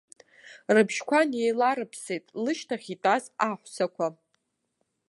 Рыбжьқәа неиларԥсеит лышьҭахь итәаз аҳәсақәа.